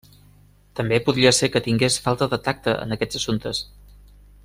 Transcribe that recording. També podria ser que tingués falta de tacte en aquests assumptes.